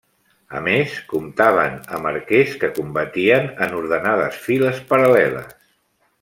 A més, comptaven amb arquers que combatien en ordenades files paral·leles.